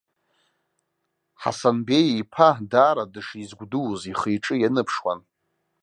Ҳасанбеи иԥа даара дышизгәдууз ихы-иҿы ианыԥшуан.